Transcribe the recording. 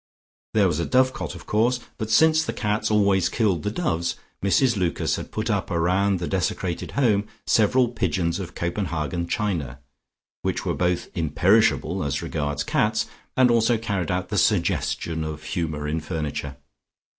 There was a dovecote of course, but since the cats always killed the doves, Mrs Lucas had put up round the desecrated home several pigeons of Copenhagen china, which were both imperishable as regards cats, and also carried out the suggestion of humour in furniture.